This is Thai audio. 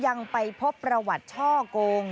ยังไปพบประวัติช่อกง